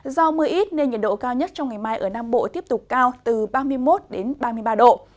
do mưa ít nên nhiệt độ cao nhất trong ngày mai ở nam bộ tiếp tục cao từ ba mươi một ba mươi ba độ